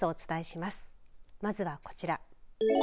まずはこちら。